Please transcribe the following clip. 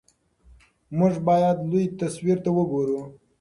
موږ باید لوی تصویر ته وګورو.